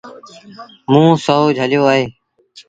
موݩ سهو جھليو اهي۔